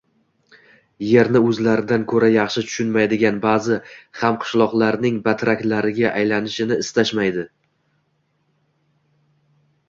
yerni o‘zlaridan ko‘ra yaxshi tushunmaydigan ba’zi hamqishloqlarining «batrak»lariga aylanishni istashmaydi.